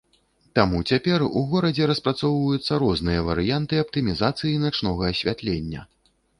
Таму цяпер у горадзе распрацоўваюцца розныя варыянты аптымізацыі начнога асвятлення.